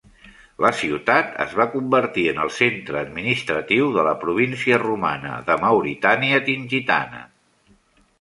La ciutat es va convertir en el centre administratiu de la província romana de Mauritània Tingitana.